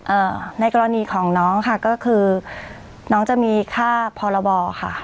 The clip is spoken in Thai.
ในกรณีของน้องค่ะก็คือน้องจะมีค่าพรบค่ะ